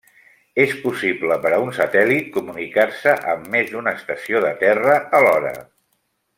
És possible per a un satèl·lit comunicar-se amb més d'una estació de terra alhora.